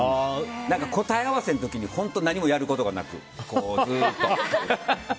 答え合わせの時に本当に何もやることがなくこうずっと。